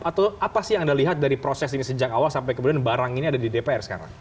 atau apa sih yang anda lihat dari proses ini sejak awal sampai kemudian barang ini ada di dpr sekarang